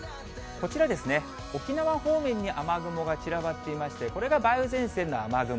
こちら、沖縄方面に雨雲が散らばっていまして、これが梅雨前線の雨雲。